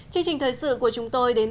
quý vị khán giả thân mến